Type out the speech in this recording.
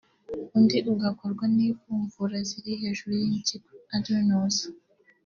undi ugakorwa n’imvuvura ziri hejuru y’impyiko (adrenals)